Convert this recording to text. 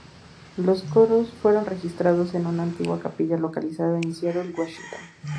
Los coros fueron registrados en una antigua capilla localizada en Seattle, Washington.